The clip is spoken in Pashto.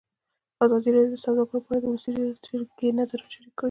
ازادي راډیو د سوداګري په اړه د ولسي جرګې نظرونه شریک کړي.